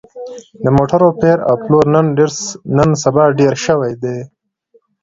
د موټرو پېر او پلور نن سبا ډېر شوی دی